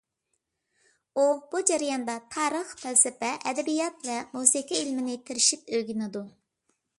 ئۇ بۇ جەرياندا تارىخ، پەلسەپە، ئەدەبىيات ۋە مۇزىكا ئىلمىنى تىرىشىپ ئۆگىنىدۇ.